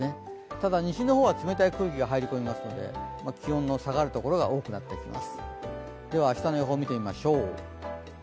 ただ、西の方は冷たい空気が入り込みますので気温の下がるところが多くなってきます。